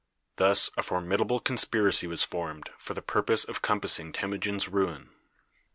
Thus a formidable conspiracy was formed for the purpose of compassing Temujin's ruin.